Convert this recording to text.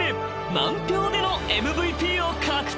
満票でのＭＶＰを獲得］